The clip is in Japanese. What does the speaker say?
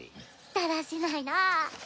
だらしないなぁ。